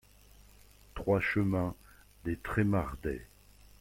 trois chemin des Tremardeix